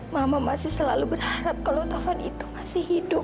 mama masih selalu berharap kalau taufan itu masih hidup